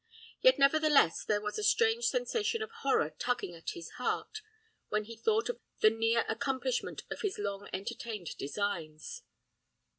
Yet, nevertheless, there was a strange sensation of horror tugging at his heart, when he thought of the near accomplishment of his long entertained designs.